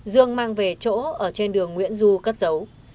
dương mang về chỗ ở trên đường nguyễn du cất dấu